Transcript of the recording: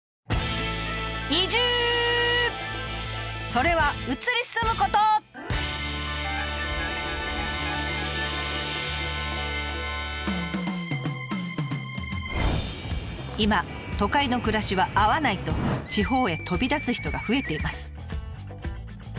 それは今都会の暮らしは合わない！と地方へ飛び立つ人が増えています。